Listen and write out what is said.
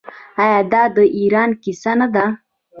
آیا دا د ایران کیسه نه ده؟